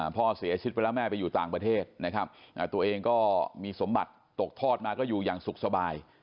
พ่อเสียชีวิตไปแล้วแม่ไปอยู่ต่างประเทศนะครับตัวเองก็มีสมบัติตกทอดมาก็อยู่อย่างสุขสบาย